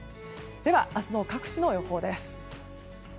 では明日の各地の予報です。